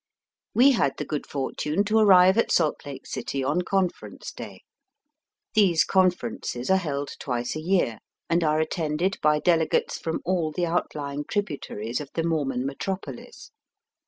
We had the good fortune to arrive at Salt Lake City on conference day. These con ferences are held twice a year, and are attended by delegates from all the outlying tributaries of the Mormon metropolis.